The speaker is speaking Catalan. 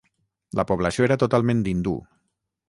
La població era totalment hindú.